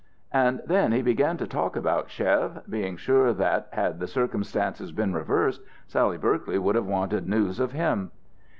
And then he began to talk about Chev, being sure that, had the circumstances been reversed, Sally Berkeley would have wanted news of him.